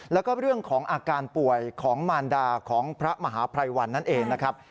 แล้วก็เรื่องของอาการป่วยของมารดาของพระมหาภัยวันนั่นเองนะครับ